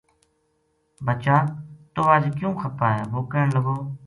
بچہ! توہ اج کیوں خپا ہے وہ کہن لگو